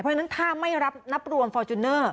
เพราะฉะนั้นถ้าไม่รับนับรวมฟอร์จูเนอร์